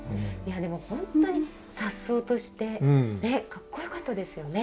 いやでも本当にさっそうとして格好よかったですよね。